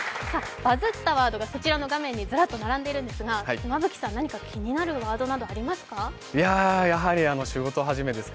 バズったワードがそちらの画面にずらっと並んでいるんですが、妻夫木さん、何か気になるワードはありますか？